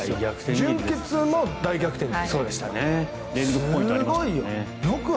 準決の大逆転劇。